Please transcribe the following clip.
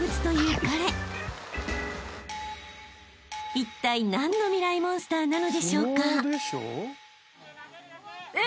［いったい何のミライ☆モンスターなのでしょうか？］え！